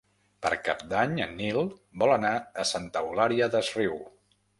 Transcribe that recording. Per Cap d'Any en Nil vol anar a Santa Eulària des Riu.